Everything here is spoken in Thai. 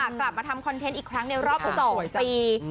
กลับมาทำคอนเทนต์อีกครั้งในรอบ๒ปี